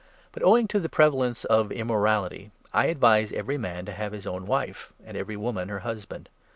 But, owing to the prevalence of 2 immorality, I advise every man to have his own wife, and every woman her husband.